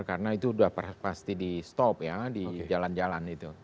karena itu sudah pasti di stop ya di jalan jalan itu